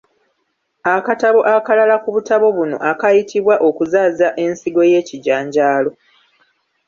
Akatabo akalala ku butabo buno akayitibwa okuzaaza ensigo y'ekijanjaalo.